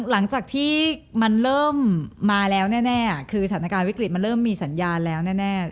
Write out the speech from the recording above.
หลังจากที่มันเริ่มมาแล้วแน่คือสถานการณ์วิกฤตมันเริ่มมีสัญญาณแล้วแน่